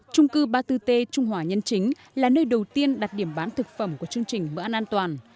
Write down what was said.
trung cư ba mươi bốn t trung hòa nhân chính là nơi đầu tiên đặt điểm bán thực phẩm của chương trình bữa ăn an toàn